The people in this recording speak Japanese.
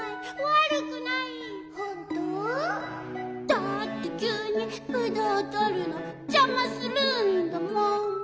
「だってきゅうにぶどうとるのじゃまするんだもん！」